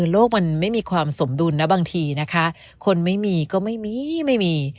โลกมันไม่มีความสมดุลนะบางทีนะคะคนไม่มีก็ไม่มีไม่มี